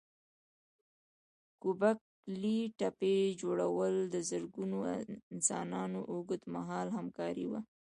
ګوبک لي تپې جوړول د زرګونو انسانانو اوږد مهاله همکاري وه.